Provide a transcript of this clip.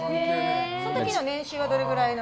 その時の年収はどのくらいの。